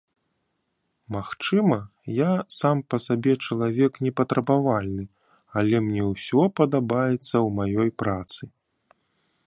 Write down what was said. Магчыма, я сам па сабе чалавек непатрабавальны, але мне ўсё падабаецца ў маёй працы.